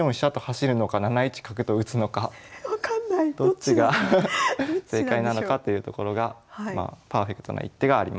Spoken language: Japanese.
どっちが正解なのかというところがパーフェクトな一手があります。